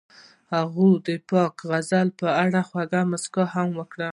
هغې د پاک غزل په اړه خوږه موسکا هم وکړه.